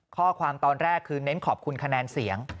ข้อความตอนแรกคือเน้นขอบคุณคะแนนเสียง